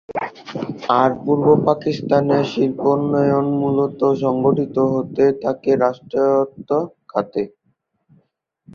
আর পূর্ব পাকিস্তানে শিল্পোন্নয়ন মূলত সংগঠিত হতে থাকে রাষ্ট্রায়ত্ত খাতে।